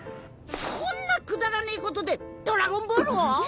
そんなくだらねえことでドラゴンボールを！？